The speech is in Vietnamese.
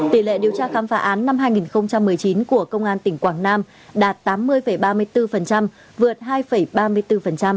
tỷ lệ điều tra khám phá án năm hai nghìn một mươi chín của công an tỉnh quảng nam đạt tám mươi ba mươi bốn vượt hai ba mươi bốn